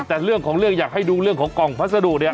แต่เรื่องของเรื่องอยากให้ดูเรื่องของกล่องพัสดุเนี่ย